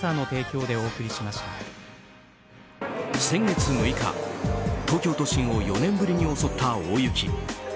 先月６日、東京都心を４年ぶりに襲った大雪。